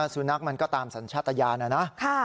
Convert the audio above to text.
สุนัขมันก็ตามสัญชาตญานะ